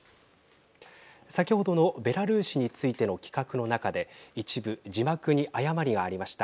先ほどのベラルーシについての企画の中で一部字幕に誤りがありました。